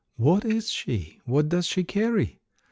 "What is she?" "What does she carry?"